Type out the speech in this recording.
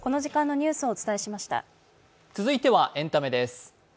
続いてはエンタメです。